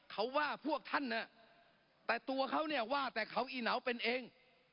เขาว่าพวกท่านแต่ตัวเขาเนี่ยว่าแต่เขาอีเหนาเป็นเอง